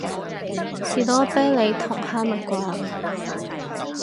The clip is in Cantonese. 士多啤梨同哈蜜瓜